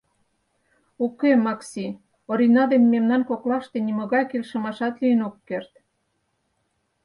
— Уке, Макси, Орина ден мемнан коклаште нимогай келшымашат лийын ок керт.